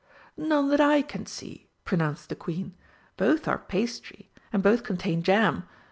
"None that I can see," pronounced the Queen. "Both are pastry, and both contain jam.